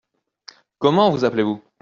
Comment vous appelez-vous ?